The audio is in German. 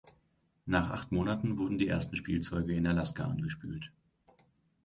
Nach acht Monaten wurden die ersten Spielzeuge in Alaska angespült.